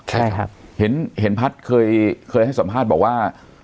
ใช่ครับเห็นพัฒน์เคยให้สัมภาษณ์บอกว่า